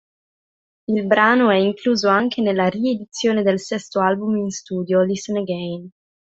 Il brano è incluso anche nella riedizione del sesto album in studio "Listen Again".